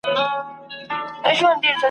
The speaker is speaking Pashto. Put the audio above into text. تاندي لښتي وې ولاړي شنه واښه وه !.